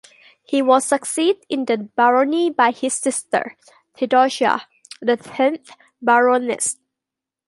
He was succeeded in the barony by his sister Theodosia, the tenth Baroness.